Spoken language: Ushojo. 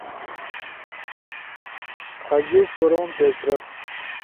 آجوک کوروم پیشرفت